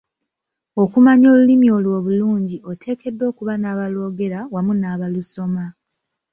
Okumanya olulimi lwo obulungi oteekeddwa okuba n'abalwogera wamu n'abaalusoma.